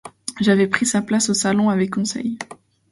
J’avais pris place au salon avec Conseil.